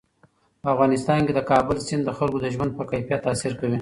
په افغانستان کې د کابل سیند د خلکو د ژوند په کیفیت تاثیر کوي.